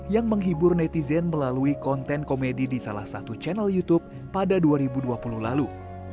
yang menghibur netizen melalui konten komedi di salah satu channel youtube pada dua ribu dua puluh lalu